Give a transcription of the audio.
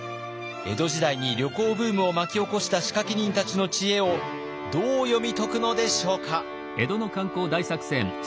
江戸時代に旅行ブームを巻き起こした仕掛け人たちの知恵をどう読み解くのでしょうか。